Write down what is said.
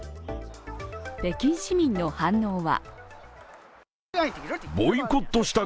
北京市民の反応は？